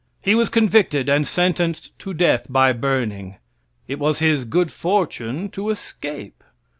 He was convicted and sentenced to death by burning. It was his good fortune to escape.